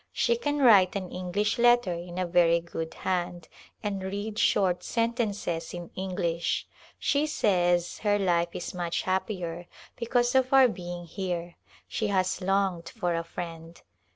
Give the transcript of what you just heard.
She can write an English letter in a very good hand, and read short sentences in English. She says her life is much happier because of our being here ; she has longed for 2ifrie?id.